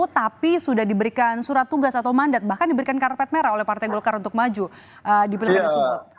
tapi sudah diberikan surat tugas atau mandat bahkan diberikan karpet merah oleh partai golkar untuk maju di pilkada sumut